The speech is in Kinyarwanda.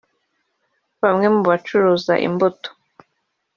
Bamwe mu bacuruza imbuto